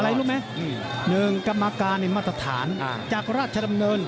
อะไรรู้ไหม๑กรรมการมาตรฐานจากราชดำเนิน